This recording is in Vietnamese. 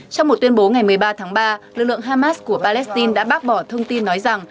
trong một tuyên bố ngày một mươi ba tháng ba lực lượng hamas của palestine đã bác bỏ thông tin nói rằng